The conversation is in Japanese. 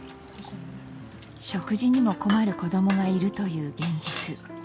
食事にも困る子供がいるという現実。